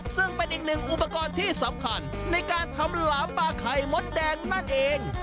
ซึ่งเป็นอีกหนึ่งอุปกรณ์ที่สำคัญในการทำหลามปลาไข่มดแดงนั่นเอง